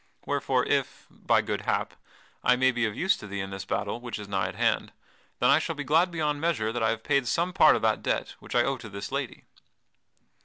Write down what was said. Wherefore if, by good hap, I may be of use to thee in this battle which is nigh at hand, then I shall be glad beyond measure that I have paid some part of that debt which I owe to this lady."